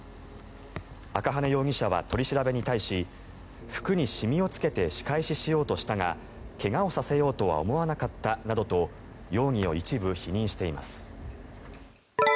赤羽容疑者は取り調べに対し服に染みをつけて仕返ししようとしたが怪我をさせようとは思わなかったなどと容疑を一部否認しています。